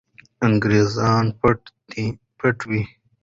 انګریزان پټ وو.